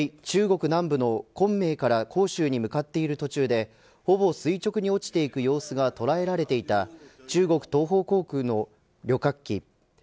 中国南部の昆明から広州に向かっている途中でほぼ垂直に落ちていく様子が捉えられていた中国東方航空の旅客機。